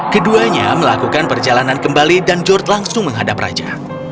keduanya melakukan perjalanan kembali dan george langsung menghadap raja